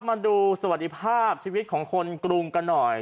มาดูสวัสดีภาพชีวิตของคนกรุงกันหน่อย